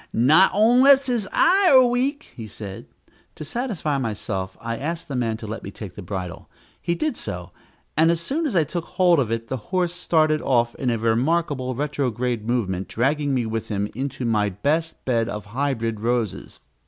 "Not onless his eye are weak," he said. To satisfy myself, I asked the man to let me take the bridle. He did so, and as soon as I took hold of it, the horse started off in a remarkable retrograde movement, dragging me with him into my best bed of hybrid roses.